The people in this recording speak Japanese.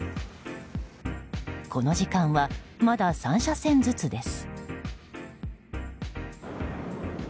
この時間は、まだ３車線ずつです。